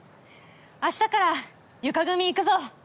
明日から床組いくぞ。